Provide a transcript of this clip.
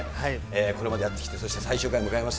これまでやってきて、そして最終回を迎えます。